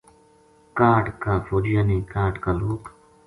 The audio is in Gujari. کاہڈ کا فوجیاں نے کاہڈ کا لوک